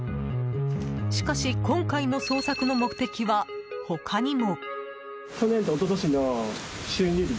しかし、今回の捜索の目的は他にも。